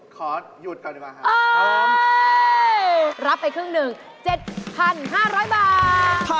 ขอหยุดก่อนดีกว่าค่ะ